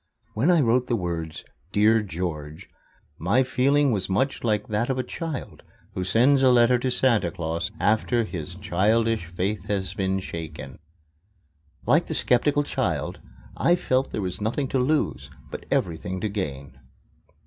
When I wrote the words: "Dear George," my feeling was much like that of a child who sends a letter to Santa Claus after his childish faith has been shaken. Like the skeptical child, I felt there was nothing to lose, but everything to gain.